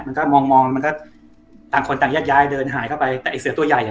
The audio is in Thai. มันก็มองมองมันก็ต่างคนต่างแยกย้ายเดินหายเข้าไปแต่ไอ้เสือตัวใหญ่อ่ะ